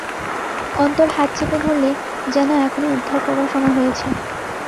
অন্তুর হাত চেপে ধরলে, যেন এখনই উদ্ধার করবার সময় হয়েছে।